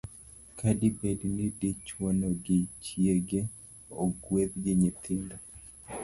Ka dibedi ni dichwo no gi chiege ogwedh gi nyithindo,